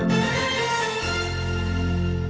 โปรดติดตามตอนต่อไป